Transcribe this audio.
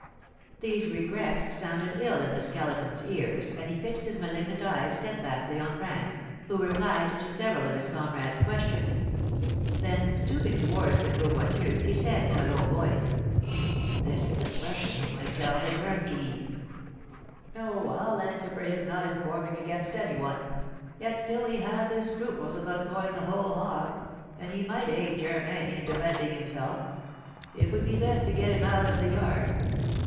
These regrets sounded ill in the Skeleton's ears, and he fixed his malignant eyes steadfastly on Frank, who replied to several of his comrade's questions. Then stooping towards the Gros Boiteux, he said, in a low voice: "This is a fresh 'un who might tell the turnkey." "No, I'll answer for his not informing against any one; yet still he has his scruples about going the whole hog, and he might aid Germain in defending himself. It would be best to get him out of the yard."